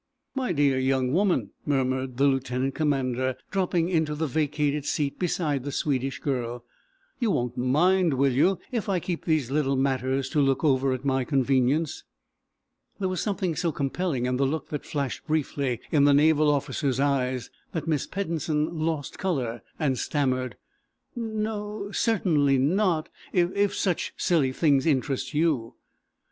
"My dear young woman," murmured the lieutenant commander, dropping into the vacated seat beside the Swedish girl, "you won't mind, will you, if I keep these little matters to look over at my convenience!" There was something so compelling in the look that flashed briefly in the naval officer's eyes that Miss Peddensen lost color, and stammered: "No o o, certainly not; if such silly things interest you."